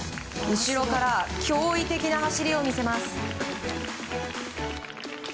後ろから驚異的な走りを見せます。